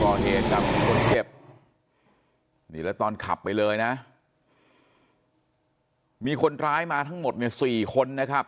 ก่อเหตุกับคนเจ็บนี่แล้วตอนขับไปเลยนะมีคนร้ายมาทั้งหมดเนี่ยสี่คนนะครับ